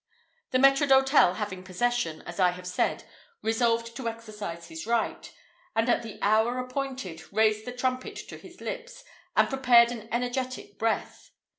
The maître d'hôtel having possession, as I have said, resolved to exercise his right; and, at the hour appointed, raised the trumpet to his lips, and prepared an energetic breath.